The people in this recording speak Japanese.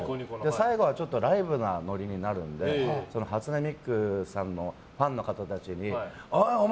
最後はちょっとライブなノリになるので初音ミクさんのファンの方たちにおい！